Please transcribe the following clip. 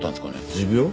持病？